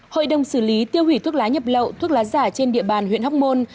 hội đồng xử lý tiêu hủy thuốc lá nhập lậu thuốc lá giả trên địa bàn huyện hóc môn